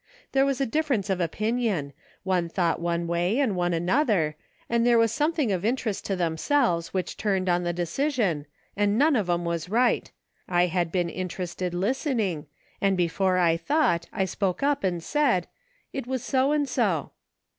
There was a difference of opinion ; one thought one way and one another, and there was something of interest to themselves which turned on the decision, and none of 'em was right ; I had been interested listening, and before I thought, I spoke up and said :' It DIFFERING WORLDS. 203 was SO and so.'